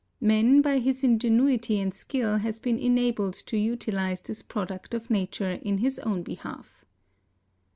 Man, by his ingenuity and skill, has been enabled to utilize this product of nature in his own behalf.